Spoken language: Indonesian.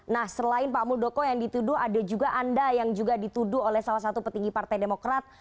nah selain pak muldoko yang dituduh ada juga anda yang juga dituduh oleh salah satu petinggi partai demokrat